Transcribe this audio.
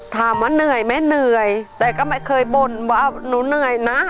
ถามว่าเหนื่อยไหมเหนื่อยแต่ก็ไม่เคยบ่นว่าหนูเหนื่อยนะ